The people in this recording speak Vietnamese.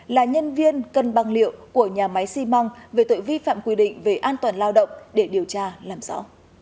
là nhân viên cân băng liệu của nhà máy xi măng về tội vi phạm quy định về an toàn lao động để điều tra làm rõ